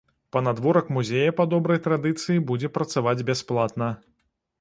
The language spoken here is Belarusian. Панадворак музея па добрай традыцыі будзе працаваць бясплатна.